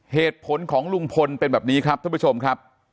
เหตุผลของลุงพลเป็นแบบนี้ครับท่านผู้ชมครับ